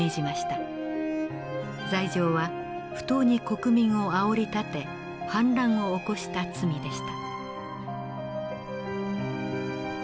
罪状は不当に国民をあおりたて反乱を起こした罪でした。